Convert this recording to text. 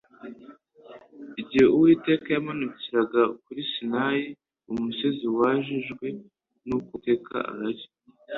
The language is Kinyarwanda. Igihe Uwiteka yamanukiraga kuri Sinayi, uwo musozi wejejwe n'uko Uwiteka ahari.